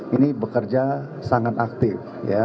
ini bekerja sangat aktif